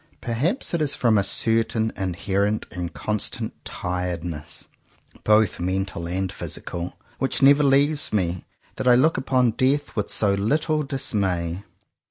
Perhaps it is from a certain inherent and constant tired ness, both mental and physical, which never leaves me, that I look upon death with so little dismay.